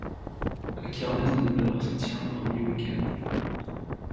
La kermesse de Boeur se tient le premier w.e.